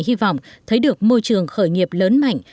hy vọng thấy được môi trường khởi nghiệp lớn mạnh